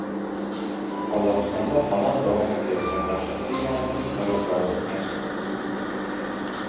Qozog‘istonda hamon davom etayotgan dahshatli yong‘inning sabablari o‘rganilyapti